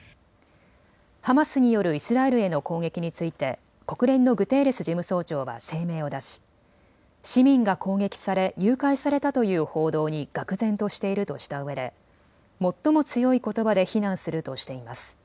ハマスによるイスラエルへの攻撃について国連のグテーレス事務総長は声明を出し、市民が攻撃され誘拐されたという報道にがく然としているとしたうえで最も強いことばで非難するとしています。